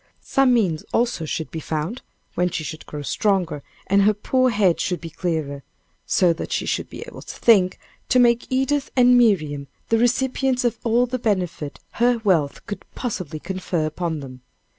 Some means also should be found when she should grow stronger, and her poor head should be clearer, so that she should be able to think to make Edith and Miriam the recipients of all the benefit her wealth could possibly confer upon them.